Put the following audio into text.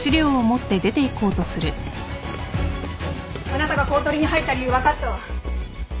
あなたが公取に入った理由分かったわ。